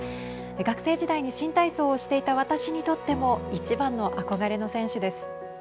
学生時代に新体操をしていた私にとっても一番の憧れの選手です。